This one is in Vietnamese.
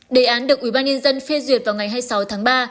đề án được ubnd phê duyệt vào ngày hai mươi sáu tháng ba